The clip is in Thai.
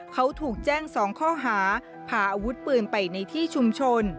เขาถูกแจ้ง๒ข้อหาพาอาวุธปืนไปในที่ชุมชน